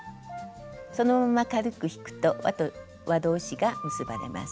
そのまま軽く引くとわ同士が結ばれます。